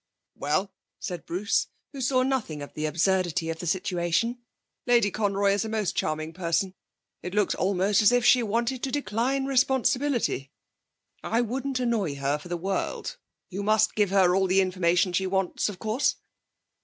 'Well,' said Bruce, who saw nothing of the absurdity of the situation, 'Lady Conroy is a most charming person. It looks almost as if she wanted to decline responsibility. I wouldn't annoy her for the world. You must give her all the information she wants, of course.'